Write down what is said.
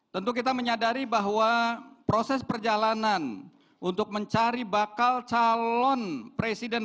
tentu kita menyadari bahwa proses perjalanan untuk mencari bakal calon presiden